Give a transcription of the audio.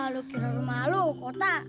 lo kira rumah lo kota